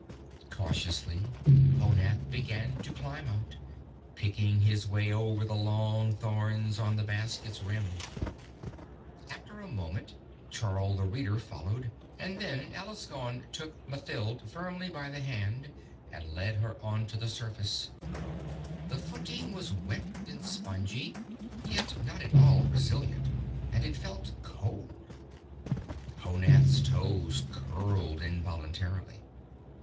Cautiously, Honath began to climb out, picking his way over the long thorns on the basket's rim. After a moment, Charl the Reader followed, and then Alaskon took Mathild firmly by the hand and led her out onto the surface. The footing was wet and spongy, yet not at all resilient, and it felt cold; Honath's toes curled involuntarily.